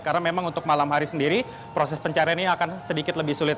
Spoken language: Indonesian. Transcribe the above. karena memang untuk malam hari sendiri proses pencarian ini akan sedikit lebih sulit